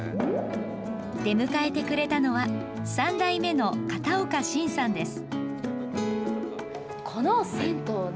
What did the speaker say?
出迎えてくれたのは３代目の片岡信さんです。